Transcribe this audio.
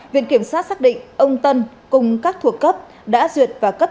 viện kiểm sát xác định ông tân cùng các thuộc cấp đã duyệt và cấp